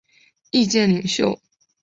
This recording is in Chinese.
意见领袖。